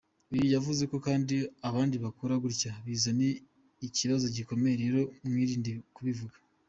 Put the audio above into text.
Iyo uvuze ngo abandi bakora gutya Bizana ikibazo gikomeye rero mwirinde kubivuga.